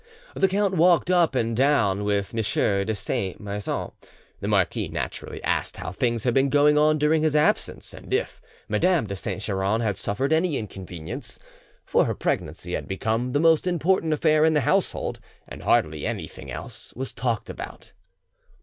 The count walked up and down with M. de Saint Maixent. The marquis naturally asked how things had been going on during his absence, and if Madame de Saint Geran had suffered any inconvenience, for her pregnancy had become the most important affair in the household, and hardly anything else was talked about.